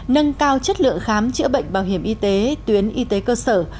nâng cao chất lượng khám chữa bệnh bảo hiểm y tế tuyến y tế cơ sở